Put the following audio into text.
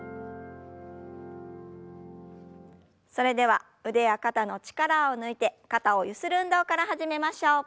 それでは腕や肩の力を抜いて肩をゆする運動から始めましょう。